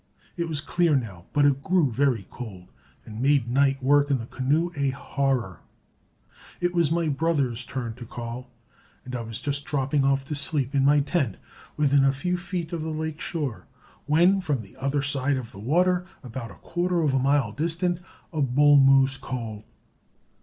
It was clear now, but it grew very cold, and made night work in the canoe a horror. It was my brother's turn to call, and I was just dropping off to sleep in my tent, within a few feet of the lake shore, when from the other side of the water, about a quarter of a mile distant, a bull moose called.